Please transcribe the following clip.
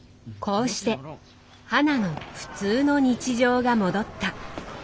こうして花の普通の日常が戻った。